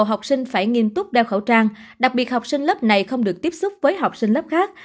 học sinh phải nghiêm túc đeo khẩu trang đặc biệt học sinh lớp này không được tiếp xúc với học sinh lớp khác